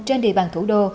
trên địa bàn thủ đô